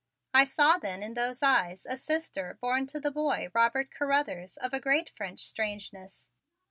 I saw then in those eyes a sister born to the boy Robert Carruthers of a great French strangeness.